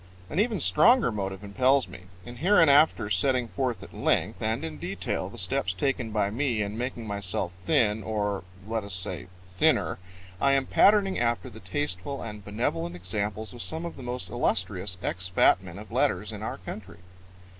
An even stronger motive impels me. In hereinafter setting forth at length and in detail the steps taken by me in making myself thin, or, let us say, thinner, I am patterning after the tasteful and benevolent examples of some of the most illustrious ex fat men of letters in our country.